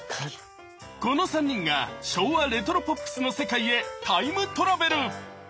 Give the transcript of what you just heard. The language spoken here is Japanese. この３人が昭和レトロポップスの世界へタイムトラベル。